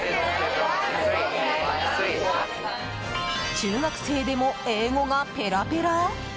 中学生でも英語がペラペラ？